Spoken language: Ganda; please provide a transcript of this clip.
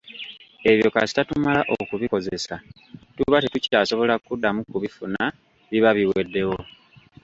Ebyo kasita tumala okubikozesa, tuba tetukyasobola kuddamu kubifuna, biba biweddewo